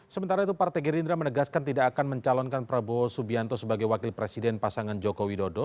sementara itu partai gerindra menegaskan tidak akan mencalonkan prabowo subianto sebagai wakil presiden pasangan joko widodo